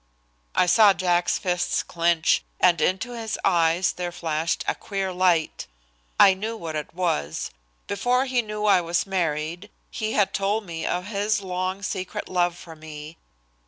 I saw Jack's fists clench, and into his eyes there flashed a queer light. I knew what it was. Before he knew I was married he had told me of his long secret love for me.